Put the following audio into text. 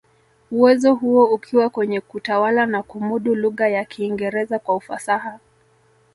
Uwezo huo ukiwa kwenye kutawala na kumudu lugha ya Kiingereza kwa ufasaha